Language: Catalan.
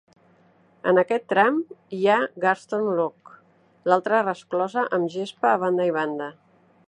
En aquest tram hi ha Garston Lock, l'altra resclosa amb gespa a banda i banda.